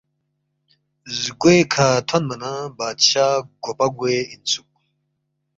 زگوے کھہ تھونما نہ بادشاہ گوپا گوے اِنسُوک